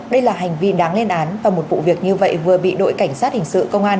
đây là hành vi đáng lên án và một vụ việc như vậy vừa bị đội cảnh sát hình sự công an